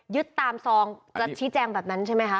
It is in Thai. ตามซองจะชี้แจงแบบนั้นใช่ไหมคะ